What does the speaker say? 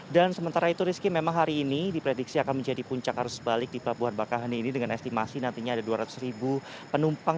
dan sementara itu rizky memang hari ini diprediksi akan menjadi puncak harus balik di pelabuhan bakauhani ini dengan estimasi nantinya ada dua ratus ribu penumpang